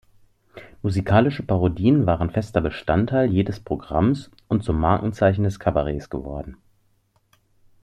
Musikalische Parodien waren fester Bestandteil jedes Programms und zum Markenzeichen des Kabaretts geworden.